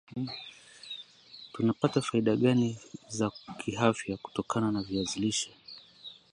tunapata faida gani za kiafya kutokana na viazi lishe